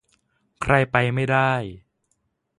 ใครไปไม่ได้